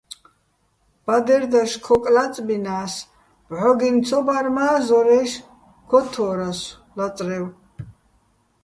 ბადერ დაშ ქოკ ლაწბინა́ს, ბჵოგინო̆ ცო ბარ მა́ ზორა́ჲში̆ ქოთთვო́რასო̆ ლაწრევ.